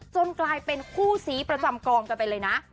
กลายเป็นคู่ซี้ประจำกองกันไปเลยนะ